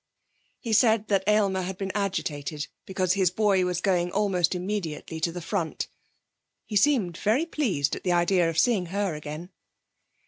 He said that Aylmer had been agitated because his boy was going almost immediately to the front. He seemed very pleased at the idea of seeing her again.